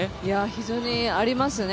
非常にありますね。